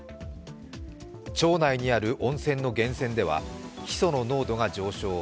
町内にある温泉の源泉では、ヒ素の濃度が上昇。